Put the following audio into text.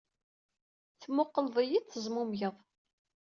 Temmuqqleḍ-iyi-d, tezmumgeḍ.